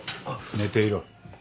寝ていろ。